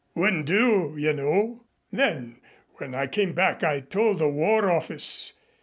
Wouldn't do, you know. Then when I came back I told the War Office.